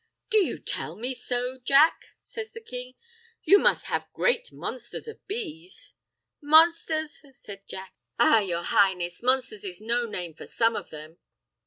"Do you tell me so, Jack?" says the king. "You must have great monsthers of bees." "Monsthers!" says Jack. "Ah, yer Highness, monsthers is no name for some of them.